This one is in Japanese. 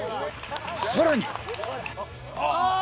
さらに